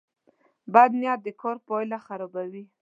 بد نیت د کار پایله خرابوي.